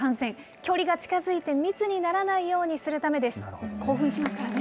距離が近づいて密にならないようなるほどね。